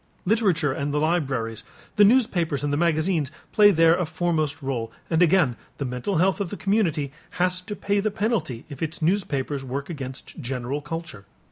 Literature and the libraries, the newspapers and the magazines play there a foremost rôle, and again the mental health of the community has to pay the penalty if its newspapers work against general culture.